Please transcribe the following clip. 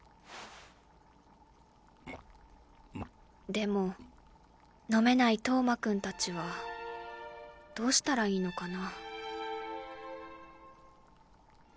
でも飲めない投馬君達はどうしたらいいのかな。